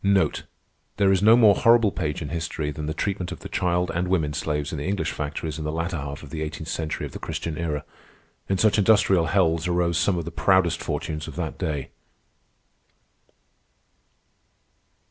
There is no more horrible page in history than the treatment of the child and women slaves in the English factories in the latter half of the eighteenth century of the Christian Era. In such industrial hells arose some of the proudest fortunes of that day.